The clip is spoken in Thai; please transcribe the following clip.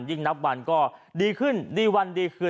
นับวันก็ดีขึ้นดีวันดีคืน